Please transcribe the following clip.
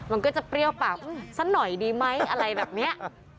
มันก็จะเปรี้ยวปากสักหน่อยดีไหมอะไรแบบนี้